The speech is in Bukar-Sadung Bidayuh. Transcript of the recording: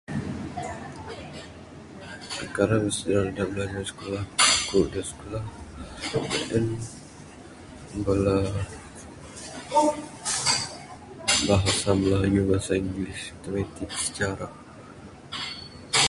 Perkara dak bilajar ku dak sikulah en bala bahasa melayu, bahasa english, matematik, sejarah.